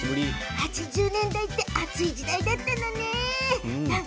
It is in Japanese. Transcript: ８０年代って熱い時代だったのね。